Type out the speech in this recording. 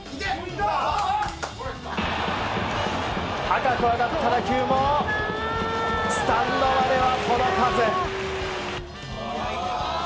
高く上がった打球もスタンドまでは届かず。